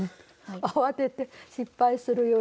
慌てて失敗するよりは。